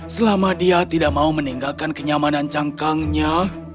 selama dia tidak mau meninggalkan kenyamanan cangkangnya